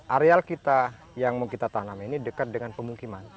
areal kita yang mau kita tanam ini dekat dengan pemukiman